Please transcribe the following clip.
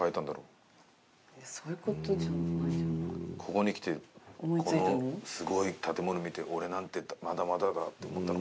ここに来てこのすごい建物見て俺なんてまだまだだって思ったのかな。